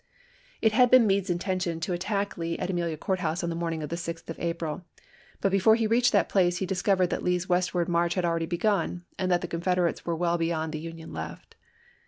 It had been Meade's intention to attack Lee at Amelia Court House on the morning of the 6th of 1865. April, but before he reached that place he dis covered that Lee's westward march had already begun, and that the Confederates were well beyond the Union left.